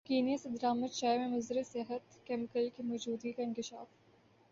Kenya سے درامد چائے میں مضر صحت کیمیکل کی موجودگی کا انکشاف